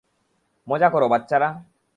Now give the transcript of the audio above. মজা করো বাচ্চারা।